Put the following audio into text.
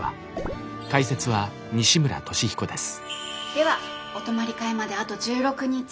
ではお泊まり会まであと１６日。